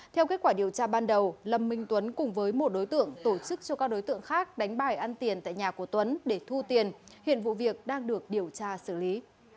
theo kết quả điều tra ban đầu lâm minh tuấn cùng với một đối tượng tổ chức cho các đối tượng khác đánh bài ăn tiền tại nhà của tuấn để thu tiền hiện vụ việc đang được điều tra xử lý